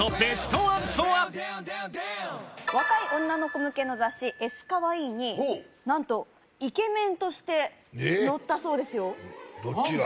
若い女の子向けの雑誌「ＳＣａｗａｉｉ！」になんとイケメンとして載ったそうですよどっちが？